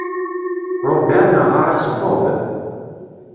Robert neɣɣar-as Bob.